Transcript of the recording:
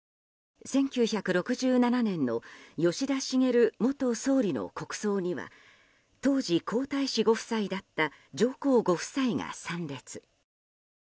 １９６７年の吉田茂元総理の国葬には当時、皇太子ご夫妻だった上皇ご夫妻が参列。